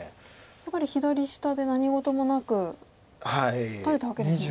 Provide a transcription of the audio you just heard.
やっぱり左下で何事もなく取れたわけですもんね。